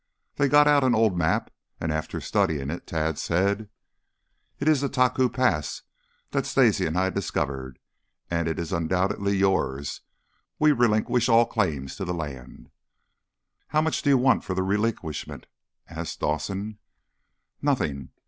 They got out an old map, and after studying it Tad said: "It is the Taku Pass that Stacy and I discovered. As it is undoubtedly yours, we relinquish all claim to the land." "How much do you want for the relinquishment?" asked Dawson. "Nothing.